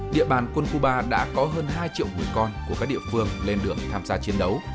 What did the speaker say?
địa bàn quân khu ba đã có hơn hai triệu người con của các địa phương lên đường tham gia chiến đấu